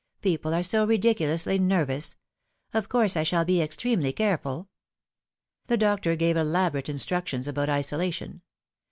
" People are so ridiculously nervous. Of course I shall be extremely careful." The doctor gave elaborate instructions about isolation.